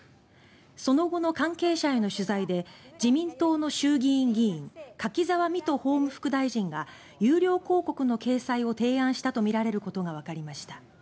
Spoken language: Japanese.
その後の関係者への取材で自民党の衆議院議員柿沢未途法務副大臣が有料広告の掲載を提案したとみられることがわかりました。